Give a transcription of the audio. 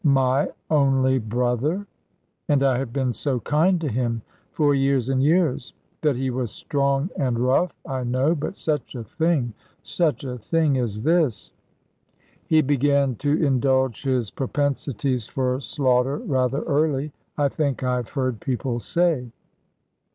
My only brother! And I have been so kind to him for years and years. That he was strong and rough, I know but such a thing, such a thing as this " "He began to indulge his propensities for slaughter rather early I think I have heard people say."